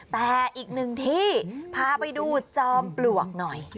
แต่อีกหนึ่งที่พาไปดูจอมปลวกหน่อย